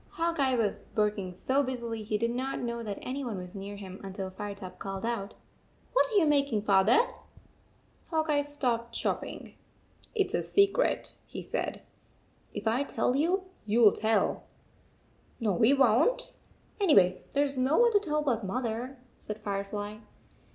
Hawk Eye was working so busily he did not know that any one was near him until Firetop called out, " What are you making, Father ?" Hawk Eye stopped chopping. " It s a secret," he said. " If I tell you, you 11 tell." " No, we won t. Anyway, there s no one to tell but Mother," said Firefly.